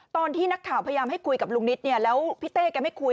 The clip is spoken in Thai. ตอนที่นักข่าวพยายามให้คุยกับลุงนิดเนี่ยแล้วพี่เต้แกไม่คุย